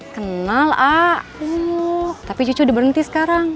kenal am tapi cucu udah berhenti sekarang